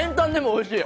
おいしい。